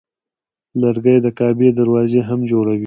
لرګی د کعبې دروازه هم جوړوي.